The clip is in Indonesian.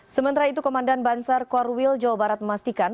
sementara itu komandan bansar korwil jawa barat memastikan